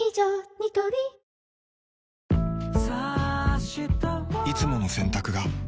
ニトリいつもの洗濯が